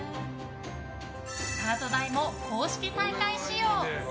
スタート台も公式大会仕様。